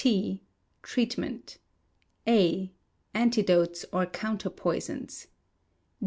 T., treatment. A., antidotes or counter poisons.